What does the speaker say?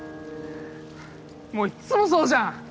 もういっつもそうじゃん！